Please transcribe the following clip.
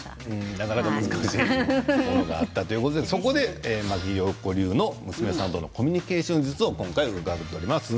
なかなか難しいところがあったということで、それで真木よう子流の娘さんとのコミュニケーション術を伺っています。